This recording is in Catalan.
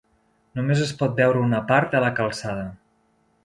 Només es pot veure una part de la calçada.